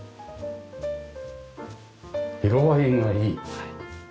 色合いがいい。